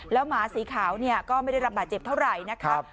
แล้วหมาสีขาวเนี่ยก็ไม่ได้รับบาดเจ็บเท่าไหร่นะครับ